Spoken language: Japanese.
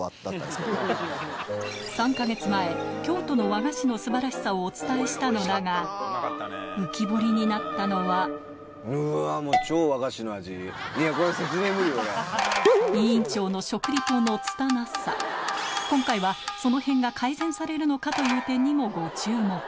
３か月前京都の和菓子の素晴らしさをお伝えしたのだが浮き彫りになったのは委員長の今回はそのへんが改善されるのかという点にもご注目